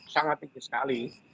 sangat tinggi sekali